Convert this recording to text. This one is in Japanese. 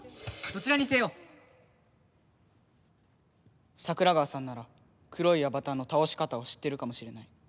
どちらにせよ桜川さんなら黒いアバターのたおし方を知ってるかもしれない。